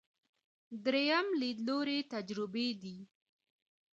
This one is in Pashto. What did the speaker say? درېیم لیدلوری تجربي دی.